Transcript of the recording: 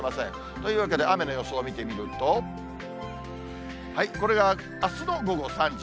というわけで雨の予想見てみると、これがあすの午後３時。